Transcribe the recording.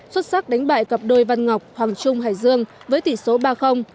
xuất sắc đánh bại cặp đôi văn ngọc hoàng trung hải dương với tỷ số ba